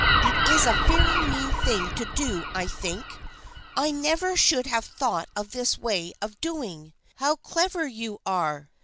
" It is a very mean thing to do, I think. I never should have thought of this way of doing. How clever you are